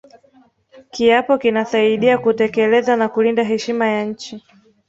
kiapo kinasaidia kutekeleza na kulinda heshima ya nchi